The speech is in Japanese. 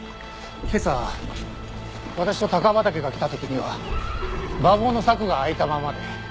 今朝私と高畠が来た時には馬房の柵が開いたままで。